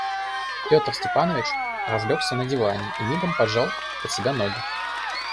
Петр Степанович разлегся на диване и мигом поджал под себя ноги.